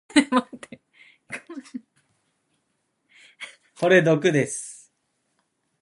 これ毒です。